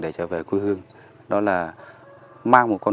để trở về quê hương đó là mang một con